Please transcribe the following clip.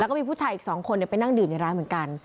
แล้วก็มีผู้ชายอีก๒คนไปนั่งดื่มในร้านเหมือนกัน